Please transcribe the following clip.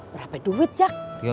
berapa duit jack